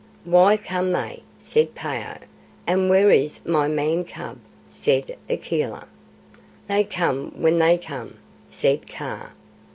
"When come they?" said Phao. "And where is my Man cub?" said Akela. "They come when they come," said Kaa.